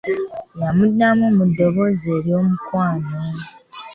Yamuddamu mu ddoboozi ery'omukwano.